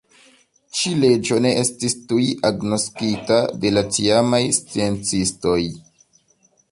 Ĉi-leĝo ne estis tuj agnoskita de la tiamaj sciencistoj.